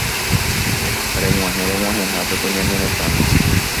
reg̃uahẽ reg̃uahẽhápe ko ñane retãme